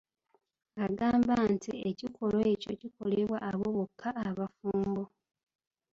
Agamba nti ekikolwa ekyo kikolebwa abo bokka abafumbo.